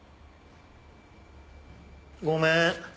ごめん。